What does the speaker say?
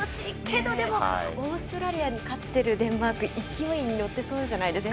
オーストラリアに勝ってるデンマーク勢いに乗ってそうじゃないですか。